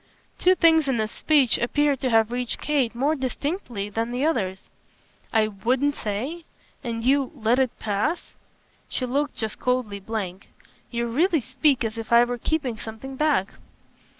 Two things in this speech appeared to have reached Kate more distinctly than the others. "I 'wouldn't say'? and you 'let it pass'?" She looked just coldly blank. "You really speak as if I were keeping something back."